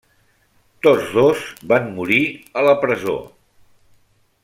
Tots dos van morir a la presó.